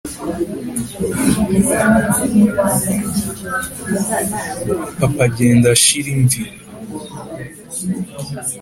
papa agenda ashira imvi,